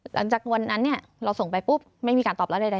หลังจากวันนั้นเนี่ยเราส่งไปปุ๊บไม่มีการตอบรับใด